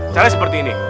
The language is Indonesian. caranya seperti ini